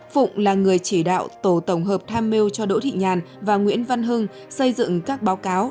phụng là người chỉ đạo tổ tổng hợp tham mưu cho đỗ thị nhàn và nguyễn văn hưng xây dựng các báo cáo